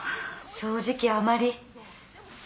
正直あまり。